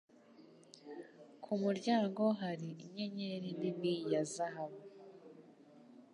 Ku muryango hari inyenyeri nini ya zahabu.